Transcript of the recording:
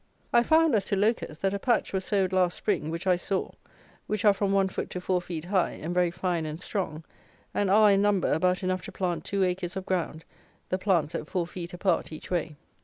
I found, as to Locusts, that a patch were sowed last spring, which I saw, which are from one foot to four feet high, and very fine and strong, and are, in number, about enough to plant two acres of ground, the plants at four feet apart each way.